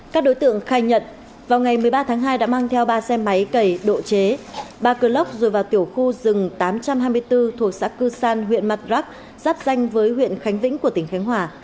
các đối tượng khai nhận vào ngày một mươi ba tháng hai đã mang theo ba xe máy cầy độ chế ba cơn lốc rồi vào tiểu khu rừng tám trăm hai mươi bốn thuộc xã cư san huyện madrak giáp danh với huyện khánh vĩnh của tỉnh khánh hòa